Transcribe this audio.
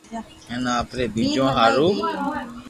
ھين آپري ٻچو ھارو